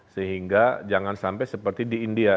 sehingga jangan sampai seperti di india